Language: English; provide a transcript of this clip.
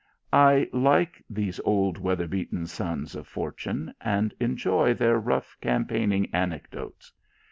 I like these old weather beaten sons of fortune, and enjoy their rough campaigning anecdotes.